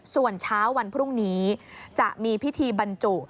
ส่วนเช้าวันพรุ่งนี้จะมีพิธีบรรจุ